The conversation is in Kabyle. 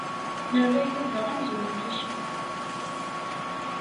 Nerra Yuba amzun ulac-it.